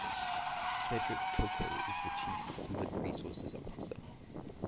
Cedric Coco is the Chief Human Resources Officer.